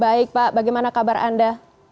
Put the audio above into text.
baik pak bagaimana kabar anda